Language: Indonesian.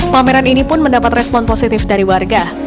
pameran ini pun mendapat respon positif dari warga